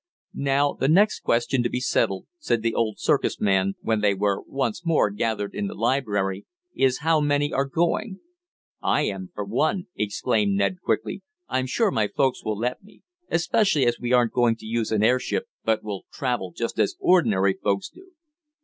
"Now, the next question to be settled," said the old circus man, when they were once more gathered in the library, "is how many are going?" "I am, for one!" exclaimed Ned quickly. "I'm sure my folks will let me. Especially as we aren't going to use an airship, but will travel just as ordinary folks do."